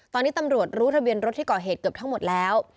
ตอนนี้ตำรวจรู้ทะเบียนรถที่ก่อเหตุเกือบทั้งหมดแล้ว